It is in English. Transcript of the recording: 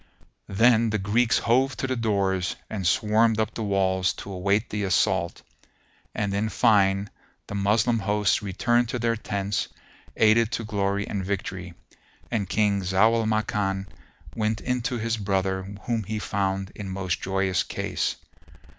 Then the Greeks hove to the doors and swarmed up the walls to await the assault; and in fine the Moslem hosts returned to their tents aided to glory and victory, and King Zau al Makan went in to his brother whom he found in most joyous case.